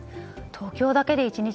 東京だけで１日